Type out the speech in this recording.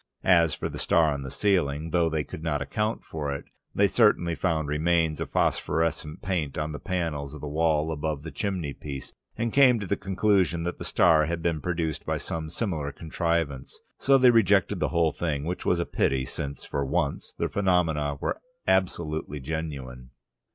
As for the star on the ceiling, though they could not account for it, they certainly found remains of phosphorescent paint on the panels of the wall above the chimney piece, and came to the conclusion that the star had been produced by some similar contrivance. So they rejected the whole thing, which was a pity, since, for once, the phenomena were absolutely genuine.